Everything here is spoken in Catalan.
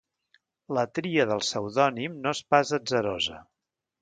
La tria del pseudònim no és pas atzarosa.